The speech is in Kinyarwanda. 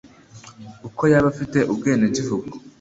uko yaba afite ubwene gihugu